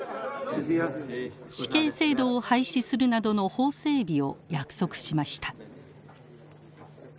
死刑制度を廃止するなどの法整備を約束しました。